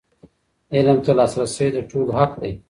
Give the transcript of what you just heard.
علم ته لاسرسی د ټولو حق دی.